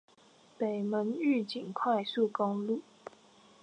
北門玉井快速公路